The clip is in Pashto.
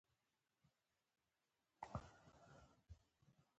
د زحل حلقې د یخ او ډبرو دي.